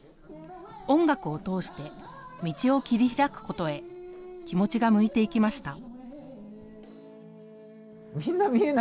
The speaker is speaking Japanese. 音楽を通して道を切り開くことへ気持ちが向いていきました。